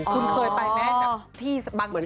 คุ้นเคยไปแม่ที่บางประธาน